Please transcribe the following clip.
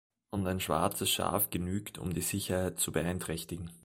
Und ein schwarzes Schaf genügt, um die Sicherheit zu beeinträchtigen.